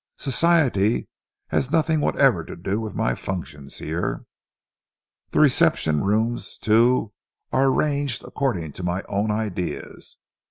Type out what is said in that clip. Society has nothing whatever to do with my functions here. The reception rooms, too, are arranged according to my own ideas.